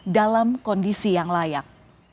dalam kondisi yang layak